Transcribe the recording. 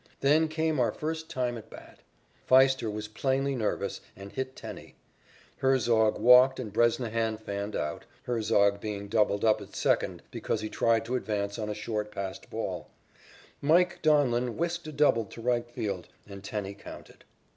Then came our first time at bat. Pfiester was plainly nervous and hit Tenney. Herzog walked and Bresnahan fanned out, Herzog being doubled up at second because he tried to advance on a short passed ball. "Mike" Donlin whisked a double to right field and Tenney counted.